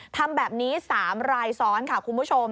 ทำแบบนี้๓รายซ้อนค่ะคุณผู้ชม